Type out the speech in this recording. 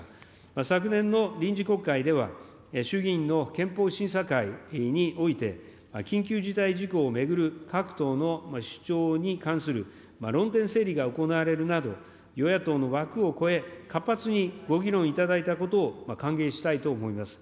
昨年の臨時国会では、衆議院の憲法審査会において、緊急事態事項を巡る各党の主張に関する論点整理が行われるなど、与野党の枠を超え、活発にご議論いただいたことを歓迎したいと思います。